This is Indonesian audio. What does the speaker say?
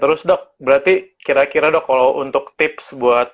terus dok berarti kira kira dok kalau untuk tips buat